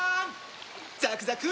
ザクザク！